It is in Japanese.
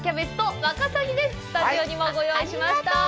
スタジオにもご用意しました。